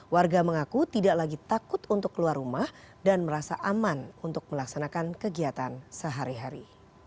warga mengaku tidak lagi takut untuk keluar rumah dan merasa aman untuk melaksanakan kegiatan sehari hari